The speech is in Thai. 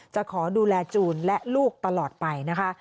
จะขอดูแลจูนและลูกตลอดไปนะคะ